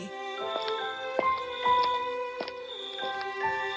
kami akan menjaga keberanian dan ketetapan hati